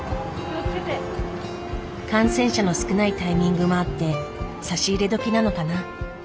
感染者の少ないタイミングもあって差し入れどきなのかな。